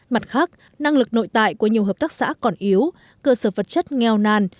mặt khác năng lực nội tại của nhiều hợp tác xã còn yếu cơ sở vật chất nghèo nàn